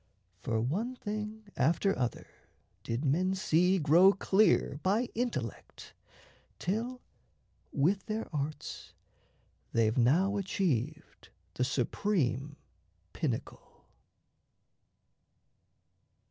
For one thing after other did men see Grow clear by intellect, till with their arts They've now achieved the supreme pinnacle.